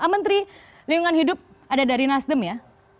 menteri lingkungan hidup ada dari nasdem ya